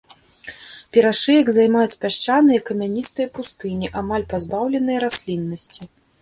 Перашыек займаюць пясчаныя і камяністыя пустыні, амаль пазбаўленыя расліннасці.